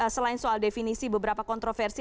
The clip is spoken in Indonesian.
selain soal definisi beberapa kontroversi